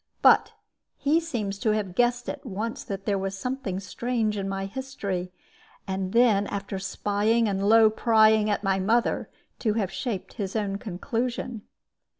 But he seems to have guessed at once that there was something strange in my history; and then, after spying and low prying at my mother, to have shaped his own conclusion.